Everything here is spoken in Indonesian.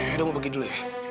edo mau pergi dulu ya